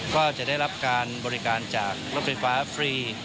ก็จะได้รับการบริการจากรถไฟฟ้าฟรี